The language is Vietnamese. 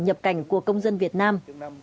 nhập cảnh của công dân việt nam